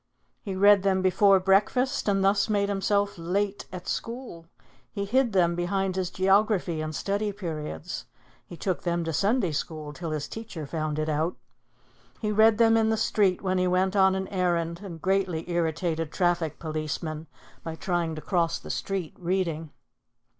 He read them before breakfast and thus made himself late at school. He hid them behind his geography in study periods. He took them to Sunday school till his teacher found it out. He read them in the street when he went on an errand and greatly irritated traffic policemen by trying to cross the street, reading.